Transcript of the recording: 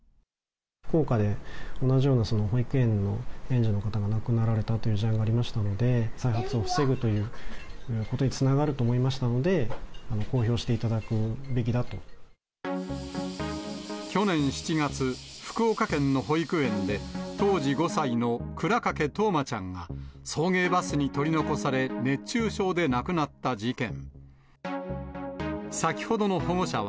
福岡で同じような保育園の園児の方が亡くなられたという事案がありましたので、再発を防ぐということにつながると思いましたので、公表していた去年７月、福岡県の保育園で当時５歳の倉掛冬生ちゃんが送迎バスに取り残され、熱中症で亡くなった事件。